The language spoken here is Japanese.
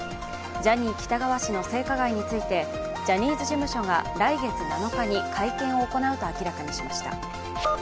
ジャニー喜多川氏の性加害についてジャニーズ事務所が来月７日に会見を行うと明らかにしました。